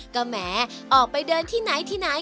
ก็แหมออกไปเดินที่ไหนที่ไหน